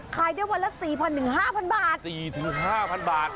ขายได้วันละ๔๐๐๕๐๐บาท๔๕๐๐บาท